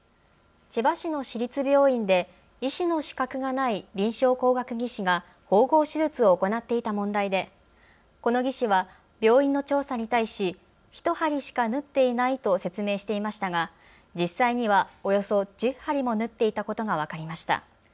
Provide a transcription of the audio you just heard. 千葉市の市立病院で医師の資格がない臨床工学技士が縫合手術を行っていた問題でこの技士は病院の調査に対し１針しか縫っていないと説明していましたが実際にはおよそ１０針も縫っていたことが分かりました。